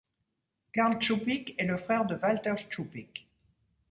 Karl Tschuppik est le frère de Walter Tschuppik.